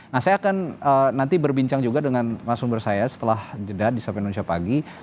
nah saya akan nanti berbincang juga dengan narasumber saya setelah jeda di sopir indonesia pagi